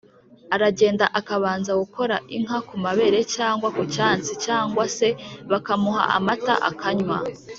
aragenda akabanza gukora inka ku mabere cyangwa ku cyansi cyangwa se bakamuha amata akanywa